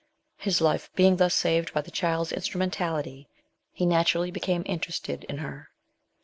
His life being thus saved by the child's instrumentality, he naturally became interested in her.